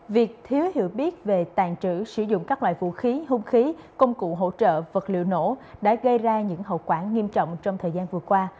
việc thiếu hiểu biết về tàn trữ sử dụng các loại vũ khí hung khí công cụ hỗ trợ vật liệu nổ đã gây ra những hậu quả nghiêm trọng trong thời gian vừa qua